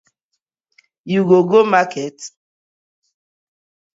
You go go market?